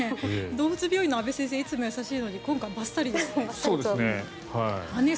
動物病院の阿部先生いつも優しいのに今回バッサリですね。